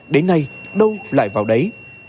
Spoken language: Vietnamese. đến nay đâu lại vào đấy